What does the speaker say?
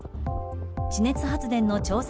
地熱発電の調査